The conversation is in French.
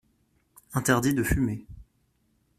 Interdit de fumer.